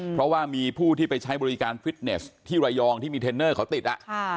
เพราะว่ามีผู้ที่ไปใช้บริการฟิตเนสที่ระยองที่มีเทรนเนอร์เขาติด